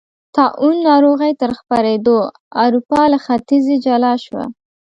طاعون ناروغۍ تر خپرېدو اروپا له ختیځې جلا شوه.